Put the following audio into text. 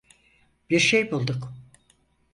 Bir şey bulduk.